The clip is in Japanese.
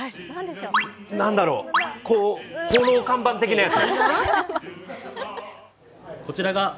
何だろう、ホーロー看板的なやつ？